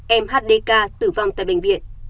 em hdk tử vong tại bệnh viện